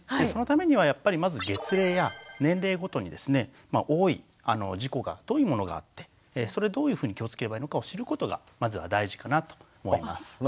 そのためにはやっぱりまず月齢や年齢ごとにですね多い事故がどういうものがあってどういうふうに気をつければいいのかを知ることがまずは大事かなと思います。